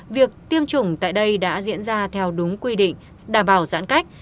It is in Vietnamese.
việc tiêm chủng tại đây đã diễn ra theo đúng quy định đảm bảo giãn cách